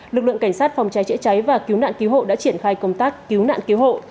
lực lượng cảnh sát phòng cháy chữa cháy và cứu nạn cứu hộ đã triển khai công tác cứu nạn cứu hộ